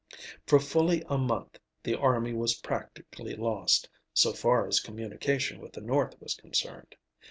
For fully a month the army was practically lost, so far as communication with the North was concerned.